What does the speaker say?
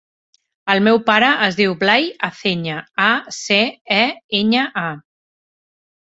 El meu pare es diu Blai Aceña: a, ce, e, enya, a.